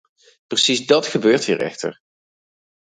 Precies dat gebeurt hier echter.